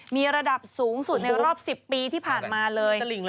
มีระดับสูงสุดในรอบ๑๐ปีที่ผ่านมาเลย